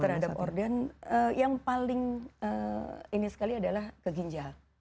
terhadap organ yang paling ini sekali adalah ke ginjal